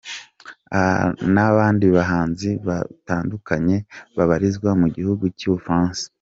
A n’abandi bahanzi batandukanye babarizwa mu gihugu cy’Ubufaransa.